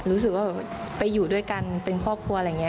รู้สึกว่าไปอยู่ด้วยกันเป็นครอบครัวอะไรอย่างนี้